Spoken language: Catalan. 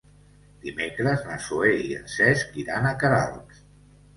Dimecres na Zoè i en Cesc iran a Queralbs.